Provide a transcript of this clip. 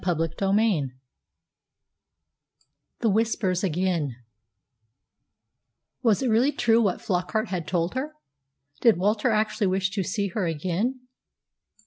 CHAPTER XXVIII THE WHISPERS AGAIN Was it really true what Flockart had told her? Did Walter actually wish to see her again?